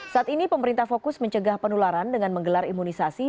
saat ini pemerintah fokus mencegah penularan dengan menggelar imunisasi